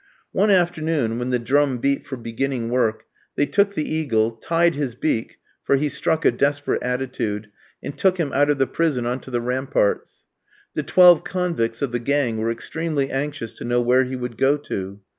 One afternoon, when the drum beat for beginning work, they took the eagle, tied his beak (for he struck a desperate attitude), and took him out of the prison on to the ramparts. The twelve convicts of the gang were extremely anxious to know where he would go to.